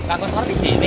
kang kau seorang disini